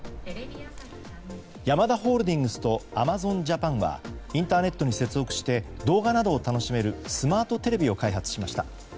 ヤマダホールディングスとアマゾンジャパンはインターネットに接続して動画などを楽しめるスマートテレビを開発しました。